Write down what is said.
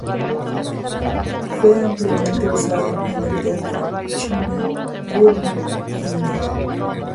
Fue ampliamente usado en el teatro China-Burma-India.